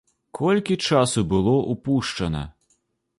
Колькі часу было ўпушчана!